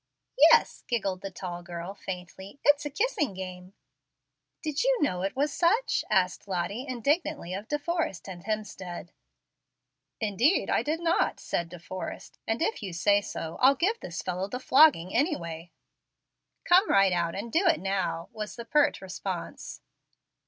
"Yes," giggled the tall girl, faintly; "it's a kissing game." "Did you know it was such?" asked Lottie, indignantly, of De Forrest and Hemstead. "Indeed I did not," said De Forrest; "and if you say so I'll give this fellow the flogging, anyway." "Come right out, and do it now," was the pert response.